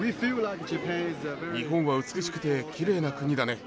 日本は美しくてきれいな国だね。